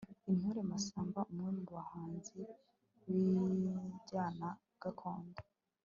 intore masamba umwe mu bahanzi b'injyana gakondo